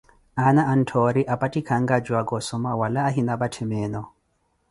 Aana anttoori apattikhanka a juwaka osomma, wala ahina patthe meeno.